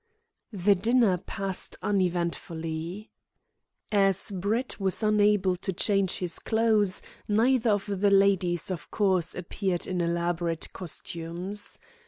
The dinner passed uneventfully. As Brett was unable to change his clothes, neither of the ladies, of course, appeared in elaborate costumes.